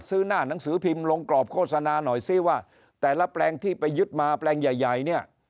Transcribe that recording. หน้าหนังสือพิมพ์ลงกรอบโฆษณาหน่อยซิว่าแต่ละแปลงที่ไปยึดมาแปลงใหญ่ใหญ่เนี่ย